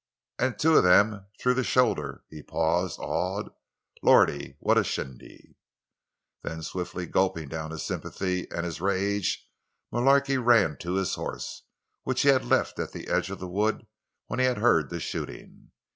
"An' two of them through the shoulder!" He paused, awed. "Lord, what a shindy!" Then, swiftly gulping down his sympathy and his rage, Mullarky ran to his horse, which he had left at the edge of the wood when he had heard the shooting.